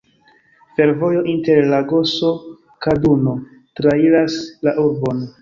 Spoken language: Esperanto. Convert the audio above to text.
Fervojo inter Lagoso-Kaduno trairas la urbon.